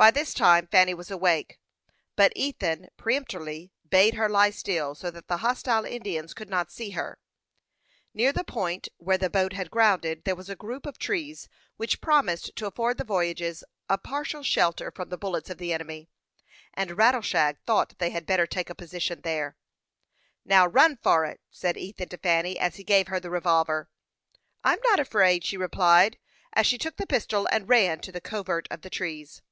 By this time Fanny was awake; but Ethan peremptorily bade her lie still, so that the hostile Indians could not see her. Near the point where the boat had grounded there was a group of trees, which promised to afford the voyagers a partial shelter from the bullets of the enemy, and Rattleshag thought they had better take a position there. "Now run for it," said Ethan to Fanny, as he gave her the revolver. "I am not afraid," she replied, as she took the pistol and ran to the covert of the trees.